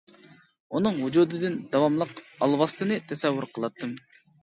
ئۇنىڭ ۋۇجۇدىدىن داۋاملىق ئالۋاستىنى تەسەۋۋۇر قىلاتتىم.